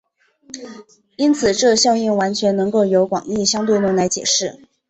因此这效应完全能够由广义相对论来解释。